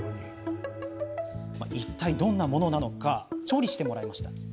いったい、どんなものなのか調理してもらいました。